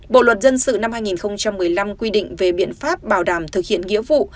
bộ luật dân sự năm hai nghìn một mươi năm quy định về biện pháp bảo đảm thực hiện nghĩa vụ